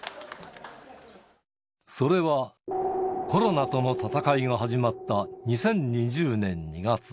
それは、コロナとの闘いが始まった２０２０年２月。